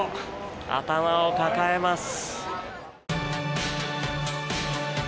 頭を抱えます。